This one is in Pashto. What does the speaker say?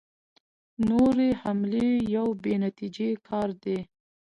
نورې حملې یو بې نتیجې کار دی.